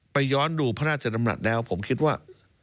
ย้อนดูพระราชดำรัฐแล้วผมคิดว่า